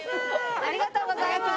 ありがとうございます。